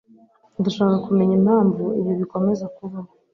Ndashaka kumenya impamvu ibi bikomeza kubaho.